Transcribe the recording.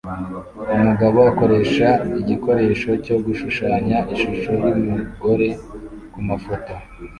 Umugabo akoresha igikoresho cyo gushushanya ishusho yumugore kumafoto